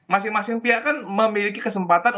masing masing pihak kan memiliki kesempatan